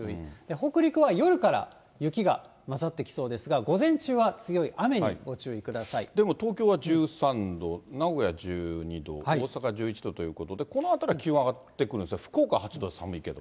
北陸は夜から雪が交ざってきそうですが、午前中は強い雨にご注意でも東京は１３度、名古屋１２度、大阪１１度ということで、この辺りは気温上がってくるんですが、福岡８度、寒いけど。